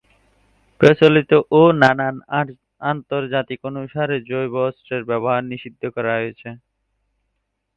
প্রচলিত এবং নানান আন্তর্জাতিক অনুসারে জৈব-অস্ত্রের ব্যবহার নিষিদ্ধ করা হয়েছে।